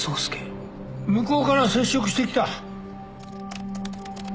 向こうから接触してきた。